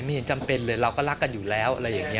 เห็นจำเป็นเลยเราก็รักกันอยู่แล้วอะไรอย่างนี้